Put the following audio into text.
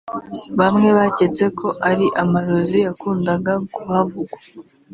bamwe baketse ko ari amarozi yakundaga kuhavugwa